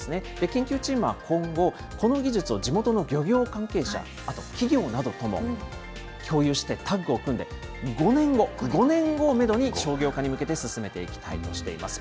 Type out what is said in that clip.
研究チームは今後、この技術を地元の漁業関係者、あと企業などとも共有して、タッグを組んで５年後、５年後をメドに商業化に向けて進めていきたいとしています。